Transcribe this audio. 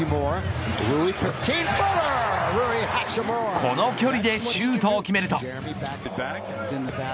この距離でシュートを決めると。